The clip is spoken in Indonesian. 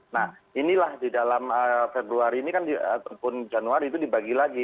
nah inilah di dalam februari ini kan ataupun januari itu dibagi lagi